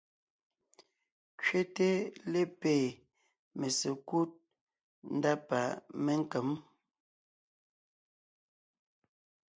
Kẅéte lépée mésekúd ndá pa ménkěm.